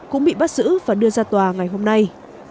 cũng bị bắt giữ và đưa ra tòa ngày hôm nay